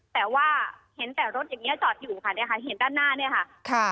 แต่ว่าเห็นแต่รถอย่างงี้ก็จอดอยู่ค่ะเห็นด้านหน้านะคะ